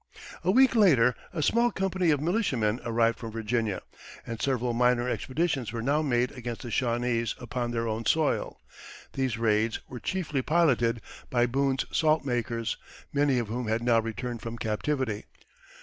A week later a small company of militiamen arrived from Virginia, and several minor expeditions were now made against the Shawnese upon their own soil. These raids were chiefly piloted by Boone's salt makers, many of whom had now returned from captivity.